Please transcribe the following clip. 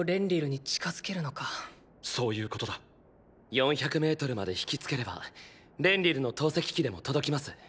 ４００ｍまで引きつければレンリルの投石機でも届きます。